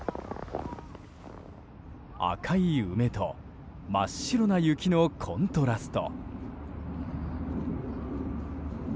赤い梅と、真っ白な雪のコントラスト。